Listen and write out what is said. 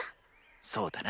そうだな。